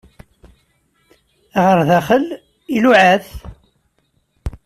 Ɣer daxel, iluɛa-t.